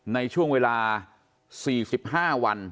ในช่วงเวลา๔๕วัน